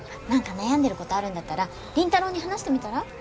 何か悩んでることあるんだったら凛太朗に話してみたら？